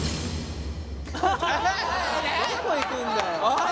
どこ行くんだよ！